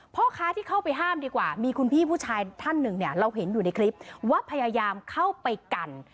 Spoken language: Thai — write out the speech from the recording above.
พ่อค้าที่เข้าไปห้ามดีกว่ามีคุณพี่ผู้ชายท่านหนึ่งเนี่ยเราเห็นอยู่ในคลิปว่าพยายามเข้าไปกัน